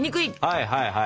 はいはいはい。